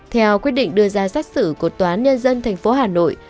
theo quyết định đưa ra xác xử của toán nhân dân tp hà nội